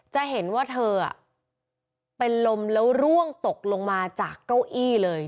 จะเห็นว่าเธอเป็นลมแล้วร่วงตกลงมาจากเก้าอี้เลย